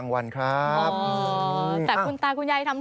ส่วนคุณโต๊ะหรอครับ